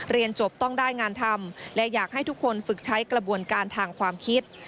เรียนจบต้องได้งานทำและอยากให้ทุกคนฝึกใช้กระบวนการทางความคิด